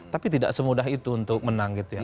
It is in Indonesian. tapi tidak semudah itu untuk menang gitu ya